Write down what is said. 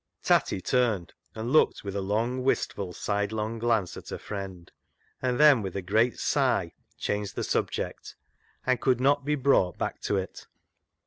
Tatty turned and looked with a long, wistful, sidelong glance at her friend, and then with a great sigh changed the subject, and could not be brought back to it.